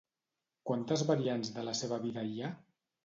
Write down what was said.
Quantes variants de la seva vida hi ha?